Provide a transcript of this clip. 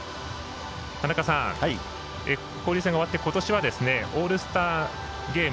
田中さん、交流戦が終わってことしはオールスターゲーム